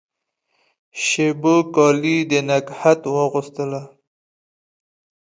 شېبو کالي د نګهت واغوستله